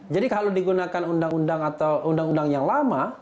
jadi kalau digunakan undang undang yang lama